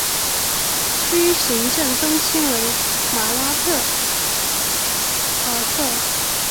区行政中心为马拉费尔特。